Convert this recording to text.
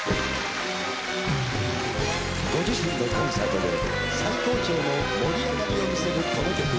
ご自身のコンサートで最高潮の盛り上がりを見せるこの曲。